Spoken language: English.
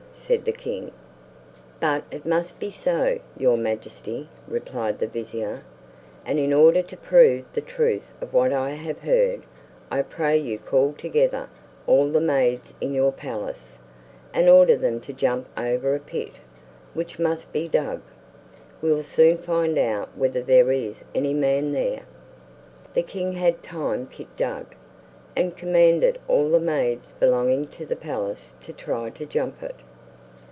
said the king. "But it must be so, Your Majesty," replied the vizier; "and in order to prove the truth of what I have heard, I pray you call together all the maids in your palace, and order them to jump over a pit, which must be dug. We'll soon find out whether there is any man there." The king had time pit dug, and commanded all the maids belonging to the palace to try to jump it.